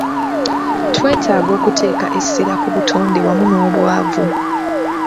Twetaaga okuteeka essira ku butonde wamu n'obwavu.